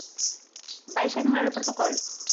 Vaise anular o protocolo?